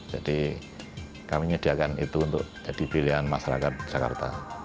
jadi kami menyediakan itu untuk jadi pilihan masyarakat jakarta